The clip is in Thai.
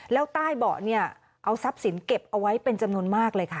แล้วใต้เบาะเนี่ยเอาทรัพย์สินเก็บเอาไว้เป็นจำนวนมากเลยค่ะ